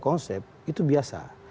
konsep itu biasa